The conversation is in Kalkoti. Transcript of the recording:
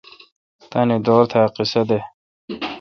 تاننی دور تہ۔ ا قیصہ دہ۔